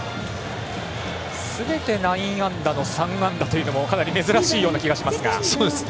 すべて内野安打の３安打というのもかなり珍しい気がします。